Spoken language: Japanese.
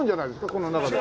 この中で。